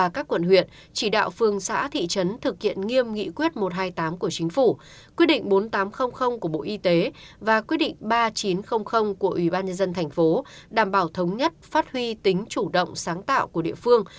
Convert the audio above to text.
các địa phương đảm bảo thống nhất phát huy tính chủ động sáng tạo của địa phương